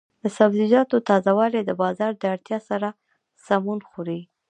د سبزیجاتو تازه والي د بازار د اړتیا سره سمون خوري.